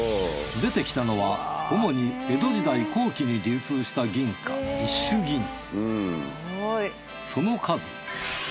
出てきたのは主に江戸時代後期に流通した銀貨一朱銀。